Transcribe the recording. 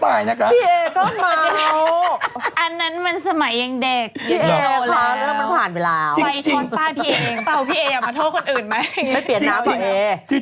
แล้วก็อาจปาว่าพี่เอ๊ะอย่ามาโทษคนอื่นไหม